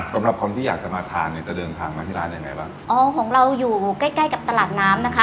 สำหรับคนที่อยากจะมาทานเนี่ยจะเดินทางมาที่ร้านยังไงบ้างอ๋อของเราอยู่ใกล้ใกล้กับตลาดน้ำนะคะ